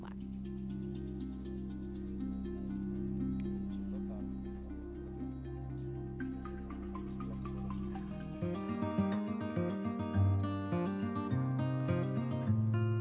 kasus pembelakan tifts